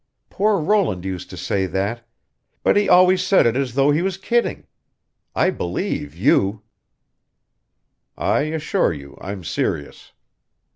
Poor Roland used to say that but he always said it as though he was kidding. I believe you!" "I assure you I'm serious."